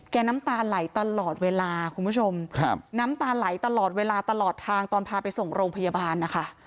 น้ำตาไหลตลอดเวลาคุณผู้ชมครับน้ำตาไหลตลอดเวลาตลอดทางตอนพาไปส่งโรงพยาบาลนะคะ